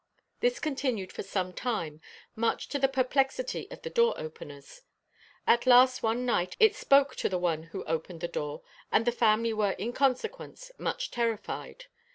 This continued for some time, much to the perplexity of the door openers. At last one night it spoke to the one who opened the door, and the family were in consequence much terrified.